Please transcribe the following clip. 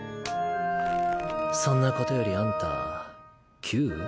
そんなことよりあんた「Ｑ」？